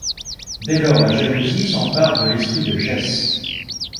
Dès lors, la jalousie s'empare de l'esprit de Jess…